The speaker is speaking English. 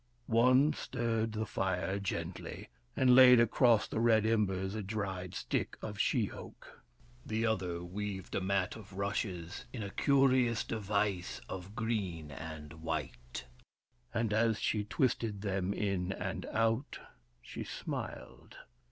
One stirred the fire gently, and laid across the red embers a dried stick of she oak. The other weaved a mat of rushes in a curious device of green and white ; and as she twisted them in and out, WURIP, THE FIRE BRINGER 231 she smiled.